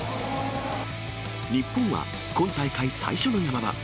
日本は今大会最初のヤマ場。